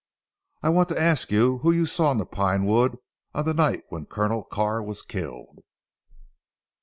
"I want to ask you who you saw in the Pine wood on the night when Colonel Carr was killed?"